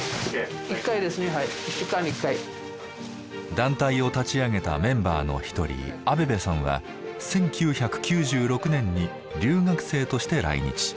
団体を立ち上げたメンバーの一人アベベさんは１９９６年に留学生として来日。